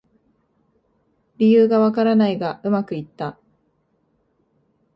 理由がわからないがうまくいった